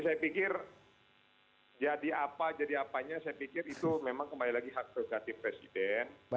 saya pikir jadi apa jadi apanya saya pikir itu memang kembali lagi hak prerogatif presiden